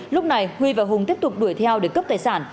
lúc này huy và hùng tiếp tục đuổi theo để cướp tài sản